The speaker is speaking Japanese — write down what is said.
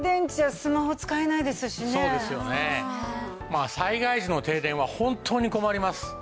まあ災害時の停電は本当に困ります。